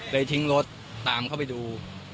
ทิ้งรถตามเข้าไปดู